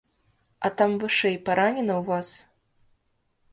А там вышэй паранена ў вас?